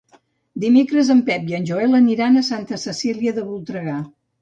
Dimecres en Pep i en Joel aniran a Santa Cecília de Voltregà.